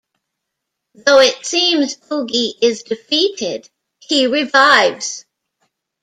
Though it seems Oogie is defeated, he revives.